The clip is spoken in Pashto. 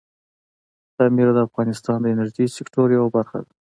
پامیر د افغانستان د انرژۍ سکتور یوه برخه ده.